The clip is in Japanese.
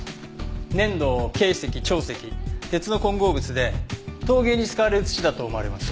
粘土珪石長石鉄の混合物で陶芸に使われる土だと思われます。